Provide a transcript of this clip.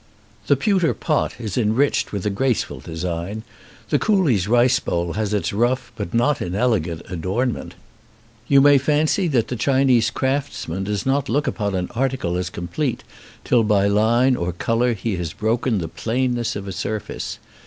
The pewter pot is enriched with a graceful design; the coolie's rice bowl has its rough but not inelegant adornment. You may fancy that the Chinese craftsman does not look upon an article as complete till by line or colour he has broken the plainness of a surface.